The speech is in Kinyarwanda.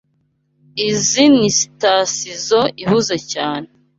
Izoi ni sitasizoo ihuze cyane.